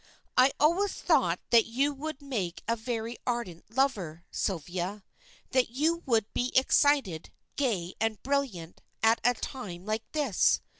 "I always thought that you would make a very ardent lover, Sylvia. That you would be excited, gay, and brilliant at a time like this.